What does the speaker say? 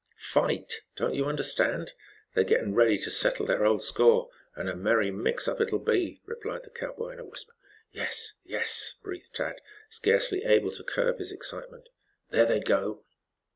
"Fight! Don't you understand? They're getting ready to settle their old score, and a merry mix up it'll be," replied the cowboy in a whisper. "Yes, yes," breathed Tad, scarcely able to curb his excitement. "There they go!"